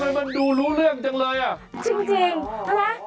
ไม่น่าจะไปแข่งกับมันเลยคุณชนะ